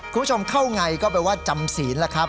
คุณผู้ชมเข้าไงก็แปลว่าจำศีลแล้วครับ